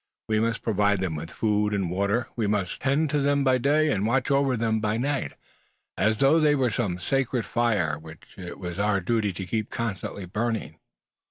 We must provide them with food and water; we must tend them by day, and watch over them by night as though they were some sacred fire, which it was our duty to keep constantly burning."